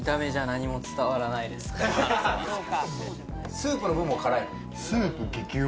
スープのほうも辛いの？